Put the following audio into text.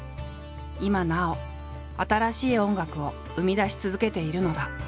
今なお新しい音楽を生み出し続けているのだ。